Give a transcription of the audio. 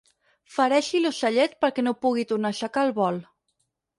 Fereixi l'ocellet perquè no pugui tornar a aixecar el vol.